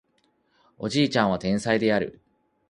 おじいちゃんは天才である